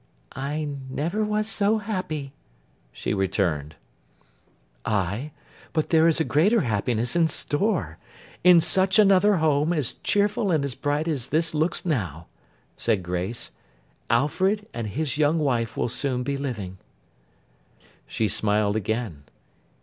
'I never was so happy,' she returned. 'Ay, but there is a greater happiness in store. In such another home, as cheerful and as bright as this looks now,' said Grace, 'Alfred and his young wife will soon be living.' She smiled again.